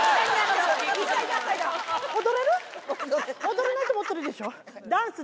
踊れないと思ってるでしょ？